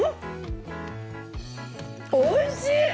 おいしい！